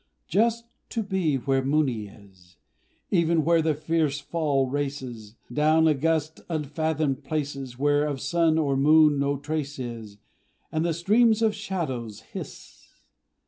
Just to be where Mooni is, Even where the fierce fall races Down august, unfathomed places, Where of sun or moon no trace is, And the streams of shadows hiss!